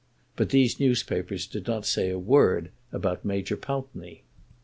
But these newspapers did not say a word about Major Pountney.